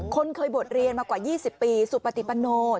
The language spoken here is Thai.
คนเขยบดเรียนมากว่า๒๐ปีสุปฏิปันนู